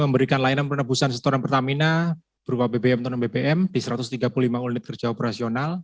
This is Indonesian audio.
memberikan layanan penebusan setoran pertamina berupa bbm tanam bbm di satu ratus tiga puluh lima unit kerja operasional